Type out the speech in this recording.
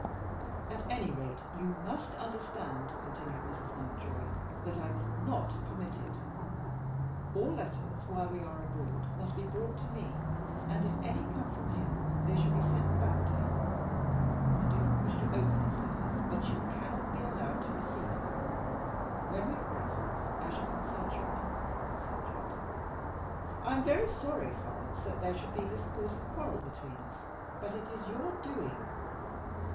"At any rate, you must understand," continued Mrs. Mountjoy, "that I will not permit it. All letters, while we are abroad, must be brought to me; and if any come from him they shall be sent back to him. I do not wish to open his letters, but you cannot be allowed to receive them. When we are at Brussels I shall consult your uncle upon the subject. I am very sorry, Florence, that there should be this cause of quarrel between us; but it is your doing."